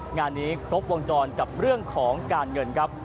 งานนี้ครบวงจรกับเรื่องของการเงินครับ